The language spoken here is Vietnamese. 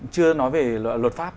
chưa nói về luật pháp